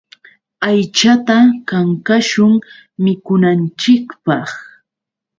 Aychata kankashun mikunanchikpaq.